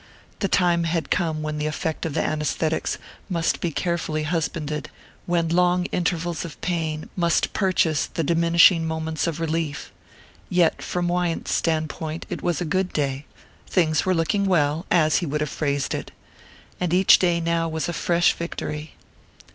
The time had come when the effect of the anæsthetics must be carefully husbanded, when long intervals of pain must purchase the diminishing moments of relief. Yet from Wyant's standpoint it was a good day things were looking well, as he would have phrased it. And each day now was a fresh victory.